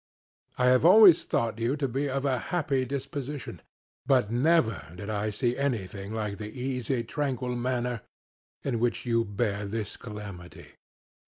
I have always thought you to be of a happy disposition; but never did I see anything like the easy, tranquil manner in which you bear this calamity.